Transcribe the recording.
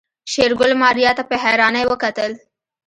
شېرګل ماريا ته په حيرانۍ وکتل.